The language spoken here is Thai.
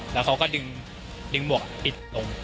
แล้วเขาก็ดึงหมวกปิดลง